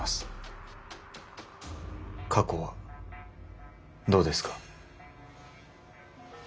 過去はどうですか。